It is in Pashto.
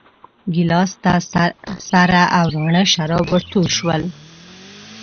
ګیلاس ته سره او راڼه شراب ورتوی شول.